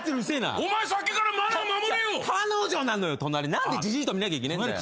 何でじじいと見なきゃいけねえんだよ。